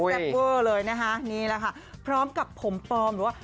เวอร์เลยนะคะนี่แหละค่ะพร้อมกับผมปลอมหรือว่า